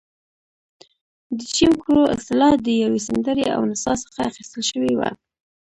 د جیم کرو اصطلاح د یوې سندرې او نڅا څخه اخیستل شوې وه.